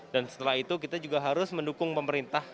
setelah itu kita juga harus mendukung pemerintah